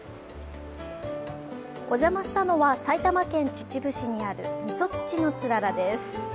お邪魔したのは、埼玉県秩父市にある三十槌の氷柱です。